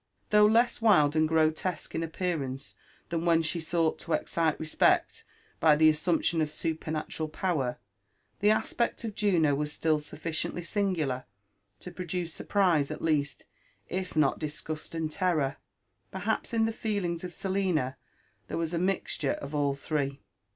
Though less wild and grotesque in appearance than when she sought to excite respect by the assumption of supernatural power, the aspect of Juno was* still sufficiently singular to produce surprise at least, if not disgust and terror. Perhaps in the feelings of Selina there was a mixture of all three.